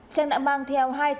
trang đã mang theo hai sợi dây trang